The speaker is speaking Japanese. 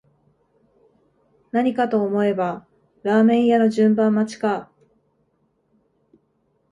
何かと思えばラーメン屋の順番待ちか